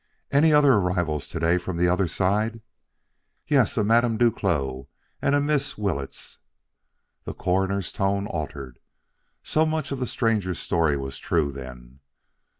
"Any other arrivals to day from the other side?" "Yes, a Madame Duclos and a Miss Willetts." The Coroner's tone altered. So much of the stranger's story was true, then.